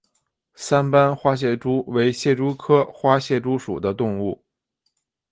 三斑花蟹蛛为蟹蛛科花蟹蛛属的动物。